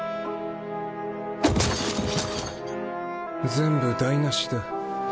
全部台無しだ。